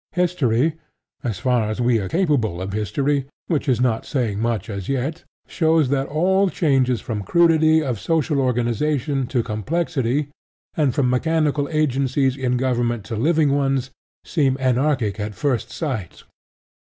History, as far as we are capable of history (which is not saying much as yet), shows that all changes from crudity of social organization to complexity, and from mechanical agencies in government to living ones, seem anarchic at first sight.